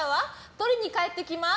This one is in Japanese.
取りに帰ってきます！